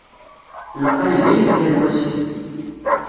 Lqay dayen kan wasif.